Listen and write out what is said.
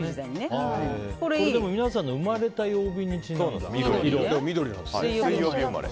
皆さんの生まれた曜日にちなんで。